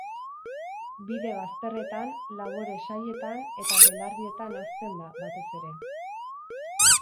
Bide bazterretan, labore-sailetan eta belardietan hazten da, batez ere.